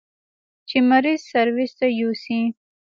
چې مريض سرويس ته يوسي.